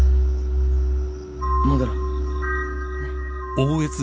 戻ろうねっ。